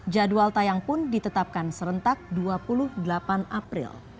jadwal tayang pun ditetapkan serentak dua puluh delapan april